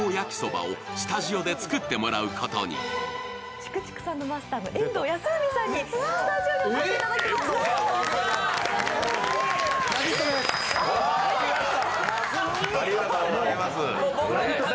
竹竹さんのマスターの遠藤康文さんにスタジオにお越しいただきました。